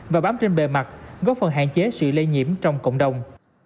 và bám trên bề mặt góp phần hạn chế sự lây nhiễm trong cộng đồng